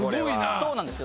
そうなんですよ。